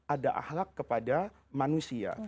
ada ahlak kepada manusia